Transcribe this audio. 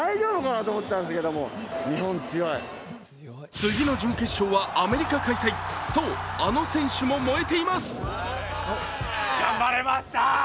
次の準決勝はアメリカ開催そう、あの選手も燃えています。